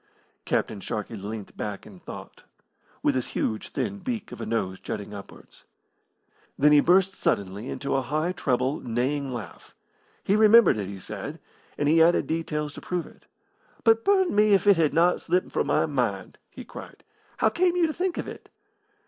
Captain Sharkey leant back in thought, with his huge thin beak of a nose jutting upwards. Then he burst suddenly into a high treble, neighing laugh. He remembered it, he said, and he added details to prove it. "But burn me if it had not slipped from my mind!" he cried. "How came you to think of it?"